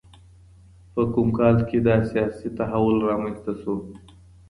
په کوم کال کي دا سياسي تحول رامنځته سو؟